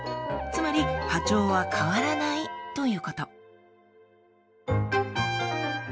つまり波長は変わらないということ。